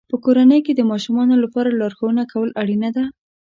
په کورنۍ کې د ماشومانو لپاره لارښوونه کول اړینه ده.